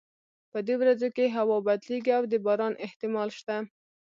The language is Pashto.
په دې ورځو کې هوا بدلیږي او د باران احتمال شته